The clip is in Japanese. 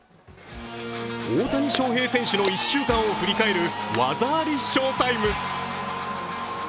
大谷翔平選手の１週間を振り返る「技ありＳＨＯＷ−ＴＩＭＥ」。